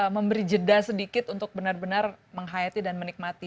memberi jeda sedikit untuk benar benar menghayati dan menikmati